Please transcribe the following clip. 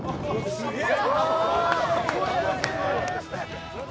すげえ！